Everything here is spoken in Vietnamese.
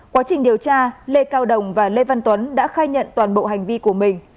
quá trình điều tra lê cao đồng và lê văn tuấn đã khai nhận toàn bộ hành vi của mình